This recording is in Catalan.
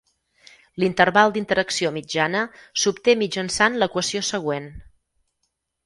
L'interval d'interacció mitjana s'obté mitjançant l'equació següent.